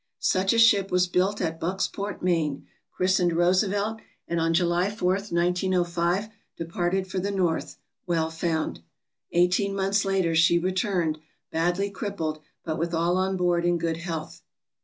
Such a ship was built at Bucksport, Me., christened "Roose velt," and on July 4, 1905, departed for the North, well found. Eighteen months later she returned, badly crippled, but with all on board in good health.